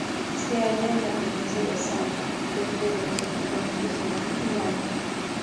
Se halla en la provincia de Salta, dentro de los departamentos Orán y Anta.